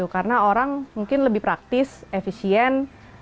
karena orang mungkin lebih praktis efisien